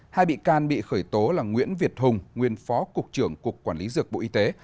hai bị can bị khởi tố là nguyễn việt hùng nguyên phó cục trưởng cục quản lý dược bộ y tế